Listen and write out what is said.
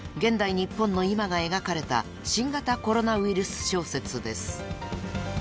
日本の今が描かれた新型コロナウイルス小説です］